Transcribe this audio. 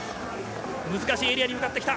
難しいエリアに向かってきた。